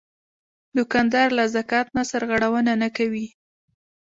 دوکاندار له زکات نه سرغړونه نه کوي.